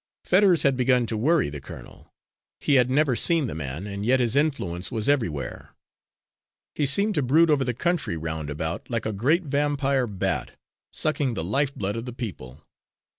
Fetters had begun to worry the colonel. He had never seen the man, and yet his influence was everywhere. He seemed to brood over the country round about like a great vampire bat, sucking the life blood of the people.